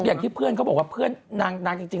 อย่างที่เพื่อนเขาบอกว่าเพื่อนนางจริง